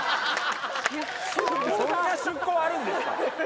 そんな出向あるんですか？